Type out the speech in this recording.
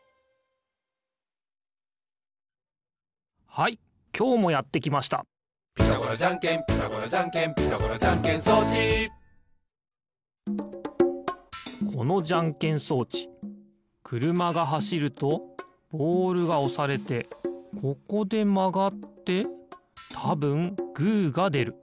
はいきょうもやってきました「ピタゴラじゃんけんピタゴラじゃんけん」「ピタゴラじゃんけん装置」このじゃんけん装置くるまがはしるとボールがおされてここでまがってたぶんグーがでる。